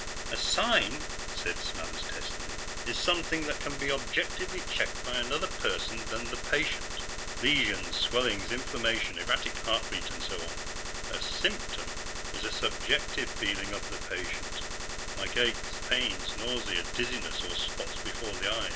"A sign," said Smathers testily, "is something that can be objectively checked by another person than the patient. Lesions, swellings, inflammations, erratic heartbeat, and so on. A symptom is a subjective feeling of the patient, like aches, pains, nausea, dizziness, or spots before the eyes.